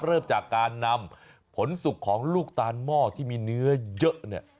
เริ่มจากการนำผลสุกของลูกตาลหม้อที่มีเนื้อเยอะเนี่ย